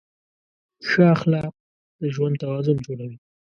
ښه اخلاق د ژوند توازن جوړوي.